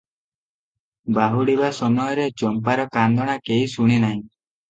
ବାହୁଡ଼ିବା ସମୟରେ ଚମ୍ପାର କାନ୍ଦଣା କେହି ଶୁଣିନାହିଁ ।